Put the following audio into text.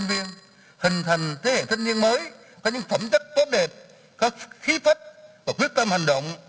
trên tinh thần đó thủ tướng nhấn mạnh một số nội dung